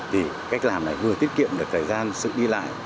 thì cách làm này vừa tiết kiệm được thời gian sự đi lại